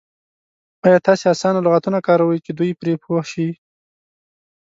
ایا تاسې اسانه لغتونه کاروئ چې دوی پرې پوه شي؟